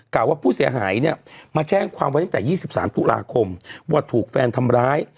่าว่าผู้เสียหายเนี่ยมาแจ้งความไว้ตั้งแต่๒๓ตุลาคมว่าถูกแฟนทำร้าย